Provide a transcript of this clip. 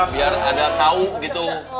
biar ada tau gitu